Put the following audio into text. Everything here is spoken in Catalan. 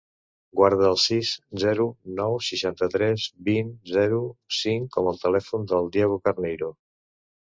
Guarda el sis, zero, nou, seixanta-tres, vint, zero, cinc com a telèfon del Diego Carneiro.